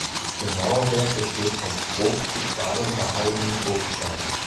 Ihr Mauerwerk besteht aus grob zu Quadern behauenem Bruchstein.